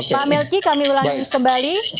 pak melki kami ulangi kembali